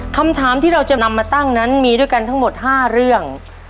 คำถามที่เราจะนำมาตั้งนั้นมีด้วยกันทั้งหมด๕เรื่อง